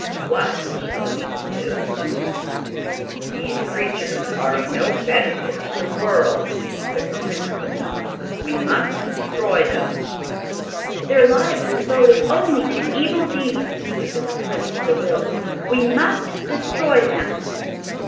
"What shall we do?" asked Ak. "These creatures are of no benefit to the world," said the Prince of the Knooks; "we must destroy them." "Their lives are devoted only to evil deeds," said the Prince of the Ryls. "We must destroy them."